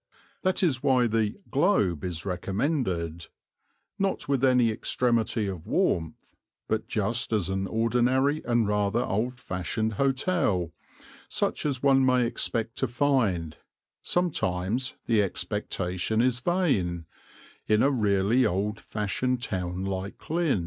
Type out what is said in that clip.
That is why the "Globe" is recommended, not with any extremity of warmth, but just as an ordinary and rather old fashioned hotel, such as one may expect to find sometimes the expectation is vain in a really old fashioned town like Lynn.